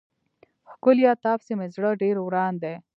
ښکليه تا پسې مې زړه ډير وران دی.